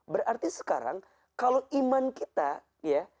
berarti sekarang kalau iman kita ya